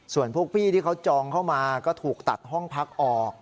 ส่วนพวกพี่ที่เขาจองเข้ามาก็ถูกตัดห้องพักออก